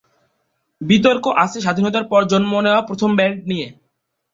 বিতর্ক আছে স্বাধীনতার পর জন্ম নেওয়া প্রথম ব্যান্ড নিয়ে।